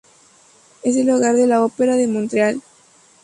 Es el hogar de la Ópera de Montreal.